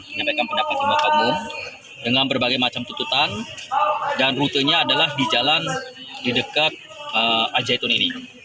menyampaikan pendapat kepada kamu dengan berbagai macam tutupan dan rutunya adalah di jalan di dekat al zaitun ini